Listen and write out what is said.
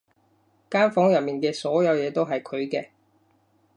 間房入面嘅所有嘢都係佢嘅